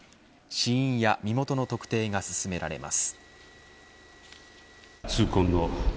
死因や身元の特定が進められます。